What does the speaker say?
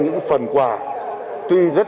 những phần quà tuy rất